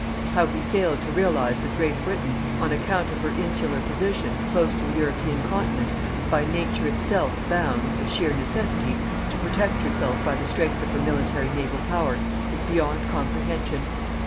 How he failed to realize that Great Britain, on account of her insular position, close to the European continent, is by nature itself bound, of sheer necessity, to protect herself by the strength of her military naval power, is beyond comprehension.